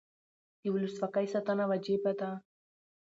د ولسواکۍ ساتنه وجیبه ده